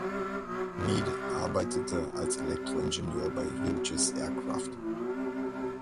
Meade arbeitete als Elektroingenieur bei Hughes Aircraft.